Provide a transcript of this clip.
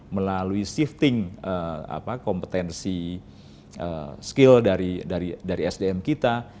melalui shifting kompetensi skill dari sdm kita